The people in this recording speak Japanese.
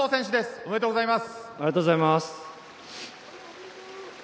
ありがとうございます。